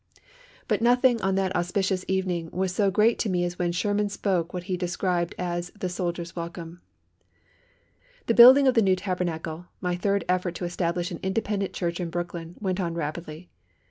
But nothing on that auspicious evening was so great to me as when Sherman spoke what he described as the soldier's welcome: "How are you, old fellow, glad to see you!" he said. The building of the new Tabernacle, my third effort to establish an independent church in Brooklyn, went on rapidly.